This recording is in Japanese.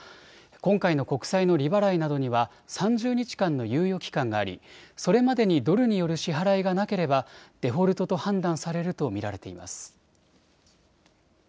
今回の国債の利払いなどには３０日間の猶予期間がありそれまでにドルによる支払いがなければデフォルトと判断されると見られています。